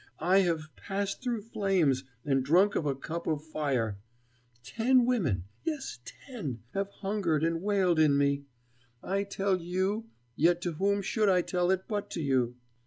I have passed through flames, and drunk of a cup of fire. Ten women, yes, ten have hungered and wailed in me. I tell you yet to whom should I tell it but to you?"